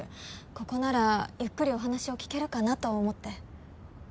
ここならゆっくりお話を聞けるかなと思って。